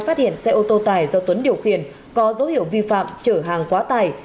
phát hiện xe ô tô tài do tuấn điều khiển có dấu hiệu vi phạm chở hàng quá tài